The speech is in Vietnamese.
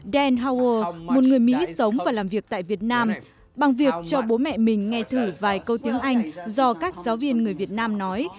den hougher một người mỹ sống và làm việc tại việt nam bằng việc cho bố mẹ mình nghe thử vài câu tiếng anh do các giáo viên người việt nam nói